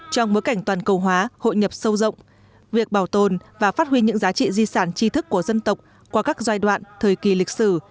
trong bối cảnh toàn cầu hóa hội nhập sâu rộng việc bảo tồn và phát huy những giá trị di sản chi thức của dân tộc qua các giai đoạn thời kỳ lịch sử